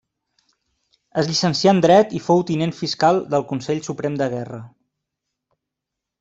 Es llicencià en dret i fou tinent fiscal del Consell Suprem de Guerra.